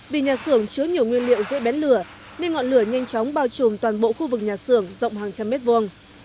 vì nhà xưởng chứa nhiều nguyên liệu dễ bén lửa nên ngọn lửa nhanh chóng bao trùm toàn bộ khu vực nhà xưởng rộng hàng trăm mét vuông